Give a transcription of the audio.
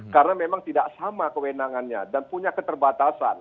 karena memang tidak sama kewenangannya dan punya keterbatasan